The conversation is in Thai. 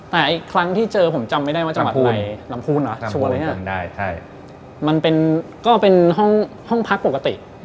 แต่อีกครั้งที่เจอผมจำไม่ได้ว่าจังหวัดไหนลำพูนนะจำได้มันก็เป็นห้องพักปกติ